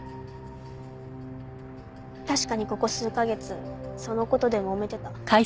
確かにここ数カ月その事でもめてた。